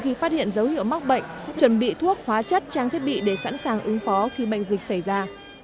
khi phát hiện dấu hiệu mắc bệnh chuẩn bị thuốc hóa chất trang thiết bị để sẵn sàng ứng phó khi bệnh dịch xảy ra